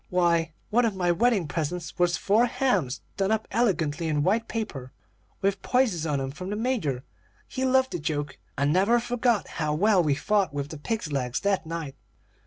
Why, one of my wedding presents was four hams done up elegantly in white paper, with posies on 'em, from the Major. He loved a joke, and never forgot how well we fought with the pigs' legs that night.